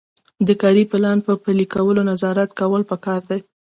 د کاري پلان په پلي کولو نظارت کول پکار دي.